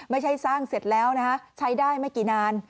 ไม่ใช่สร้างเสร็จแล้วนะฮะใช้ได้ไม่กี่นาน